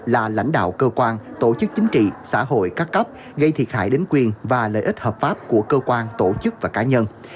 là lãnh đạo cơ quan tổ chức chính trị xã hội các cấp gây thiệt hại đến quyền và lợi ích hợp pháp của cơ quan tổ chức và cá nhân